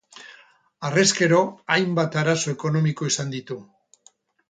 Harrezkero hainbat arazo ekonomiko izan ditu.